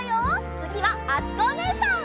つぎはあつこおねえさん。